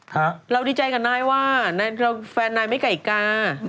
เราดีใจกับนายว่านายแฟนนายไม่ไก่กา